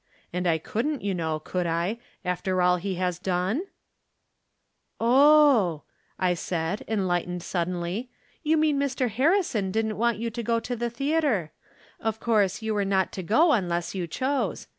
And I couldn't, you know, could I, after all he has done ?"" Oh !" I said, enlightened suddenly. " You mean Mr. Harrison didn't want you to go to the theatre. Of course j ou were not to go unless you chose.